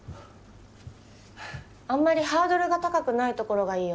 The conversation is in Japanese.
あんまりハードルが高くない所がいいよね。